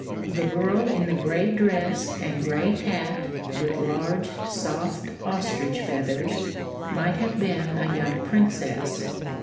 The girl in the grey dress and grey hat, with large, soft ostrich feathers, might have been a young princess.